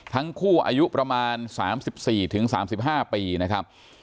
ทั้งคู่อายุประมาณ๓๔ถึง๓๕ปีนะครับ